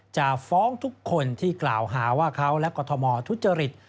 จะฟ้องทุกคนที่กล่าวหาว่าเขาและกรทมทุจริต